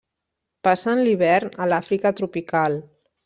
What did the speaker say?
Passen l'hivern a l'Àfrica tropical.